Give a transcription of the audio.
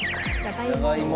じゃがいも。